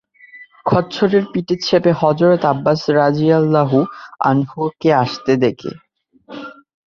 খচ্চরের পিঠে চেপে হযরত আব্বাস রাযিয়াল্লাহু আনহু-কে আসতে দেখে সে।